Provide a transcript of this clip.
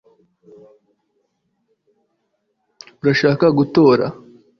urashaka gutora